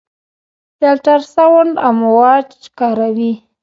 د الټراساونډ امواج کاروي.